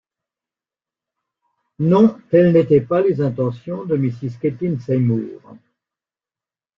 Non! telles n’étaient pas les intentions de Mrs Kethlen Seymour.